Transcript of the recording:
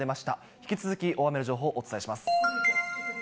引き続き大雨の情報をお伝えします。